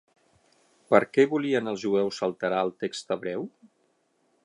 Per què volien els jueus alterar el text hebreu?